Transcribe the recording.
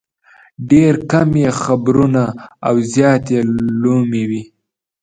ډېر کم یې خبرونه او زیات یې لومې وي.